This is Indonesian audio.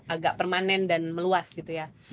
agak permanen dan meluas gitu ya